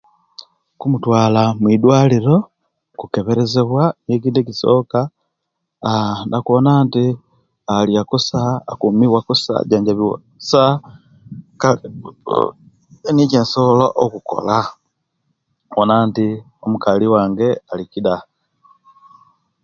Kumutwala mudwaliro kwekeberezebwa nikiyo ekintu ekisoka aaa nakubona nti alya kusa, akumiwa kusa, ajanjabiwa kusa niyo ejensobola okukola okubona nti omukali wange alikida